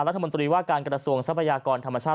รัฐมนตรีว่าการกระทรวงทรัพยากรธรรมชาติ